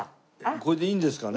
これでいいんですかね？